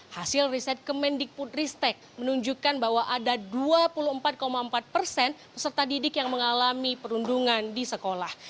hasil riset kemendik putristek menunjukkan bahwa ada dua puluh empat empat persen peserta didik yang mengalami perundungan di sekolah